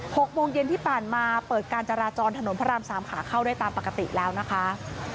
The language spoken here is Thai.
หกโมงเย็นที่ผ่านมาเปิดการจราจรถนนพระรามสามขาเข้าได้ตามปกติแล้วนะคะ